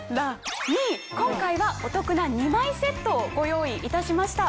今回はお得な２枚セットをご用意いたしました。